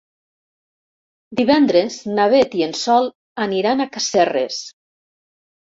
Divendres na Beth i en Sol aniran a Casserres.